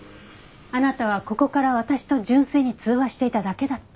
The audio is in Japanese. あなたはここから私と純粋に通話していただけだった。